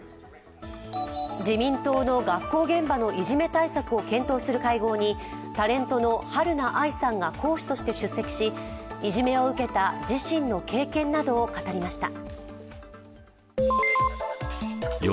自民党の学校現場のいじめ対策を検討する会合にタレントのはるな愛さんが講師として出席しいじめを受けた自身の経験などを語りました。